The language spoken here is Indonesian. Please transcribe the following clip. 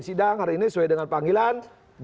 sidang hari ini sesuai dengan panggilan